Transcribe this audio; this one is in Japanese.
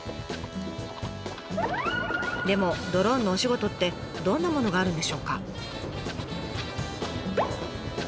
でもドローンのお仕事ってどんなものがあるんでしょうか？